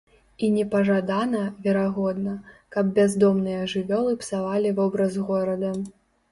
І непажадана, верагодна, каб бяздомныя жывёлы псавалі вобраз горада.